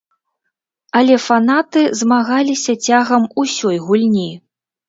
Але фанаты змагаліся цягам усёй гульні.